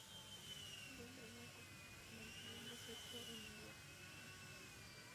Buen drenaje, manteniendo seco en invierno.